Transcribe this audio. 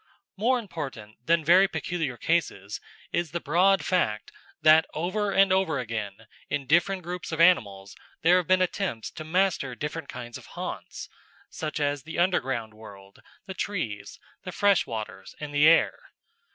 More important than very peculiar cases is the broad fact that over and over again in different groups of animals there have been attempts to master different kinds of haunts such as the underground world, the trees, the freshwaters, and the air.